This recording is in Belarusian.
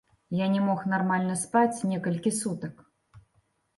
Я не мог нармальна спаць некалькі сутак.